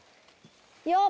よっ。